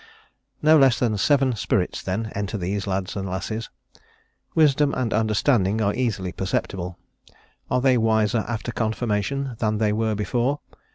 No less than seven spirits, then, enter these lads and lasses. Wisdom and understanding are easily perceptible: are they wiser after Confirmation than they were before?